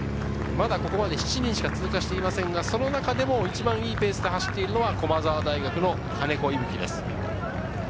ここまで７人しか通過していませんが、その中でも一番いいペースで走っているのが駒澤大学の金子伊吹です。